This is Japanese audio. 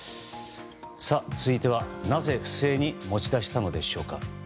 続いては、なぜ不正に持ち出したのでしょうか。